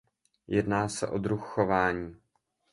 Jedná se o druh chování.